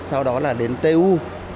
sau đó là đến t u